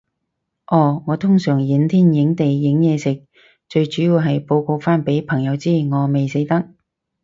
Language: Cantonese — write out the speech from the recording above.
哦，我通常影天影地影嘢食，最主要係報告返畀朋友知，我未死得